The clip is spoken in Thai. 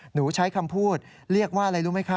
หนูใช้คำพูดเรียกว่าอะไรรู้ไหมคะ